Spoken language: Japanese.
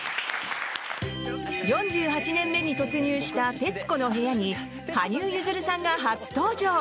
４８年目に突入した「徹子の部屋」に羽生結弦さんが初登場。